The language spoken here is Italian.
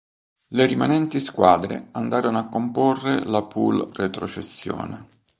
Le rimanenti squadre andarono a comporre la poule retrocessione.